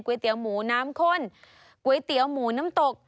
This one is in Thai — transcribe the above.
เตี๋ยวหมูน้ำข้นก๋วยเตี๋ยวหมูน้ำตก